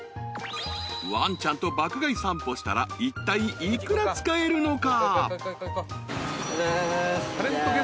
［ワンちゃんと爆買い散歩したらいったい幾ら使えるのか？］